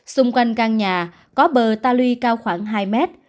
xung quanh căn nhà có bờ ta luy cao khoảng hai mét